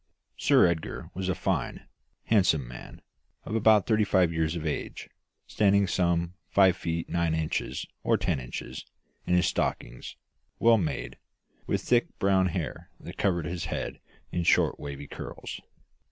Sir Edgar was a fine, handsome man, of about thirty five years of age, standing some five feet nine or ten inches in his stockings, well made, with dark brown hair that covered his head in short wavy curls.